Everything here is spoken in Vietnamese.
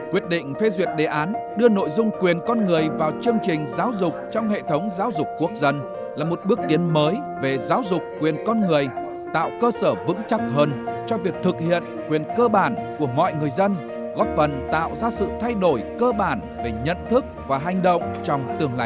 quyết định phê duyệt đề án đưa nội dung quyền con người vào chương trình giáo dục trong hệ thống giáo dục quốc dân là một bước tiến mới về giáo dục quyền con người tạo cơ sở vững chắc hơn cho việc thực hiện quyền cơ bản của mọi người dân góp phần tạo ra sự thay đổi cơ bản về nhận thức và hành động trong tương lai